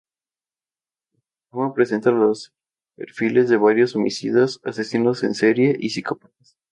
El programa presenta los perfiles de varios homicidas, asesinos en serie y psicópatas.